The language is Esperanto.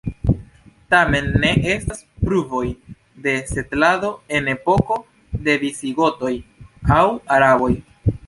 Tamen ne estas pruvoj de setlado en epoko de visigotoj aŭ araboj.